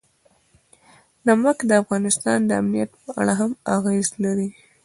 نمک د افغانستان د امنیت په اړه هم اغېز لري.